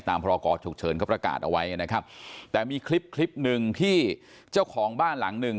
พรกรฉุกเฉินเขาประกาศเอาไว้นะครับแต่มีคลิปคลิปหนึ่งที่เจ้าของบ้านหลังหนึ่ง